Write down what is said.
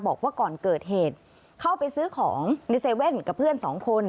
บอกว่าก่อนเกิดเหตุเข้าไปซื้อของในเซเว่นกับเพื่อนสองคน